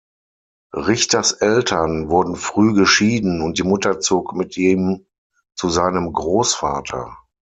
Richters Eltern wurden früh geschieden und die Mutter zog mit ihm zu seinem Großvater.